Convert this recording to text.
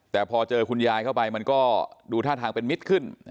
แต่พอเจอคุณยายเข้าไปมันก็ดูท่าทางเป็นมิตรขึ้น